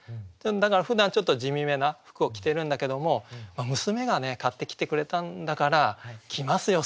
だからふだんちょっと地味めな服を着てるんだけども娘が買ってきてくれたんだから着ますよ